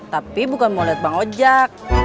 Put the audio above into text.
tapi bukan mau lihat bang ojek